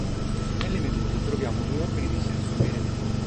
Nelle meduse troviamo due organi di senso veri e propri.